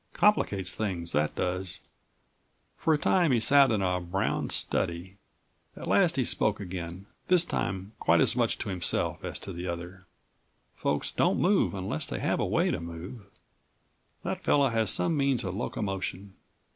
Complicates things, that does." For a time he sat in a brown study. At last he spoke again, this time quite as much to himself as to the other: "Folks don't move unless they have a way to move. That fellow has some means of locomotion.